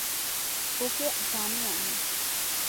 ওকে জানি আমি!